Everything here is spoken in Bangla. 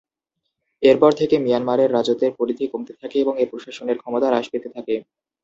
এরপর থেকে মিয়ানমারের রাজত্বের পরিধি কমতে থাকে এবং এর প্রশাসনের ক্ষমতা হ্রাস পেতে থাকে।